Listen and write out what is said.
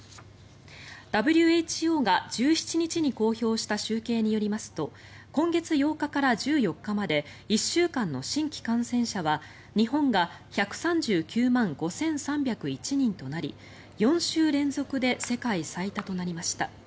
ＷＨＯが１７日に公表した集計によりますと今月８日から１４日まで１週間の新規感染者は日本が１３９万５３０１人となり４週連続で世界最多となりました。